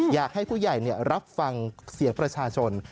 อยากให้ผู้ใหญ่รับฟังเสียงประชาชน